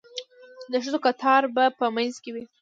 د ښځو کتار به په منځ کې وي.